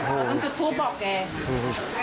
มันจุดทุบออกแก